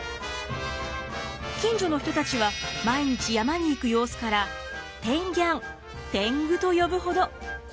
近所の人たちは毎日山に行く様子からてんぎゃん天狗と呼ぶほど。